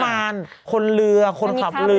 ล้ำบ่านคนเรือคนขับเรือ